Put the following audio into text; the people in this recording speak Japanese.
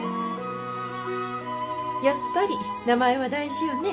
やっぱり名前は大事よね。